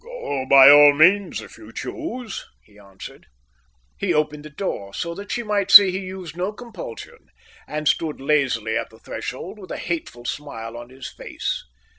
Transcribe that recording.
"Go by all means if you choose," he answered. He opened the door, so that she might see he used no compulsion, and stood lazily at the threshold, with a hateful smile on his face.